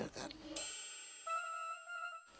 umi gak hamil kan